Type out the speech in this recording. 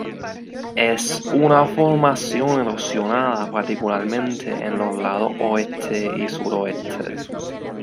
Es una formación erosionada, particularmente en los lados oeste y suroeste.